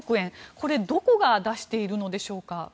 これどこが出しているのでしょうか？